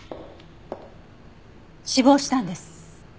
死亡したんです。